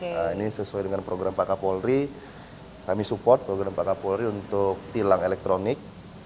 nah ini sesuai dengan program pak kapolri kami support program pak kapolri untuk tilang elektronik